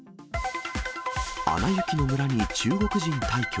アナ雪の村に中国人大挙。